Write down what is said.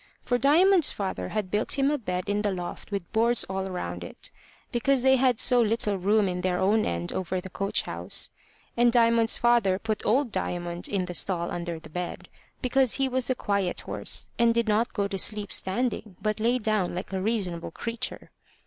For Diamond's father had built him a bed in the loft with boards all round it, because they had so little room in their own end over the coach house; and Diamond's father put old Diamond in the stall under the bed, because he was a quiet horse, and did not go to sleep standing, but lay down like a reasonable creature.